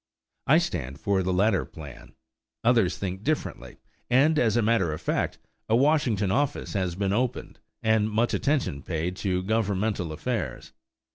I stand for the latter plan. Others think differently; and, as a matter of fact, a Washington office has been opened and much attention paid to governmental affairs.